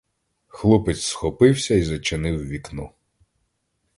Хлопець схопився й зачинив вікно.